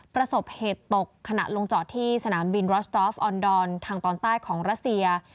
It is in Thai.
ประสบเหตุตกขณะลงจอดที่สนามบินรอสตอฟออนดอนทางตอนใต้ของรัสเซีย